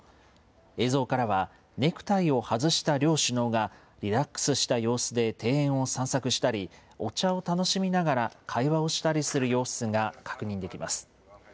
映像からはネクタイを外した両首脳がリラックスした様子で庭園を散策したり、お茶を楽しみながら会話をしたりする様子が確認できます。